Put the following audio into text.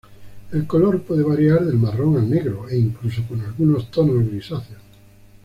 El color puede variar del marrón al negro, e incluso con algunos tonos grisáceos.